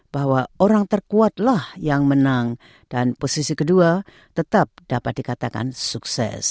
bahwa orang terkuatlah yang menang dan posisi kedua tetap dapat dikatakan sukses